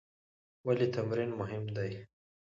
ولې تمرین مهم دی؟